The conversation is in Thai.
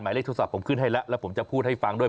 เลขโทรศัพท์ผมขึ้นให้แล้วแล้วผมจะพูดให้ฟังด้วย